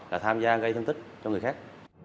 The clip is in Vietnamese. là tham gia gây thương tích cho người khác